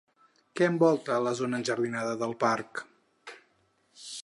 Què envolta la zona enjardinada del parc?